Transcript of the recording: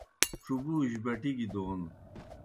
ڇُبُوجیْ بٹِگیْ دون